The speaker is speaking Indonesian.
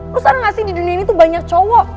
terus orang gak sih di dunia ini tuh banyak cowok